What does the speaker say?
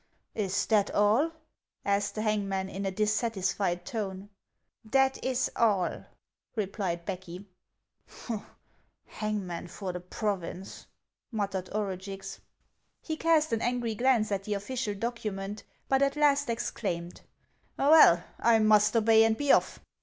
" Is that all ?" asked the hangman, in a dissatisfied tone. "That is all," replied Becky. " Hangman for the province !" muttered Orugix. 424 HANS OF ICELAND. He cast an angry glauce at the official document, but at last exclaimed :" Well, I must obey and be off.